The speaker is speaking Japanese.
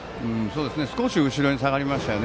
少し後ろに下がりましたね。